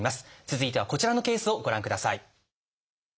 続いてはこちらのケースをご覧ください。